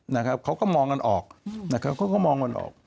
นะครับเขาก็มองกันออกนะครับเขาก็มองกันออก